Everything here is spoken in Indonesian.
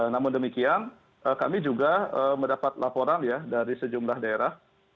namun demikian kami juga mendapat laporan ya dari sejumlah daerah